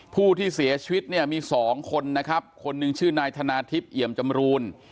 ผู้ที่เสียชีวิตเนี่ยมีสองคนนะครับคนหนึ่งชื่อนายธนาทิพย์เอี่ยมจำรูน